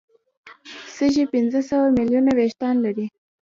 سږي پنځه سوه ملیونه وېښتان لري.